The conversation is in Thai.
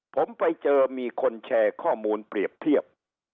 ผมไปเจอมีคนแชร์ข้อมูลเปรียบเทียบ